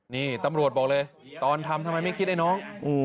นี่ตำรวจบอกเลยตอนทำทำไมไม่คิดไอ้น้อง